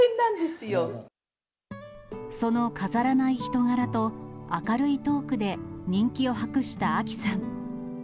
その飾らない人柄と、明るいトークで人気を博したあきさん。